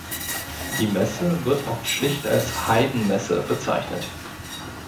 Die Messe wird oft schlicht als "Haydn-Messe" bezeichnet.